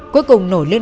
cuối cùng nổi lên